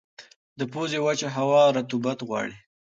د پوزې وچه هوا رطوبت غواړي.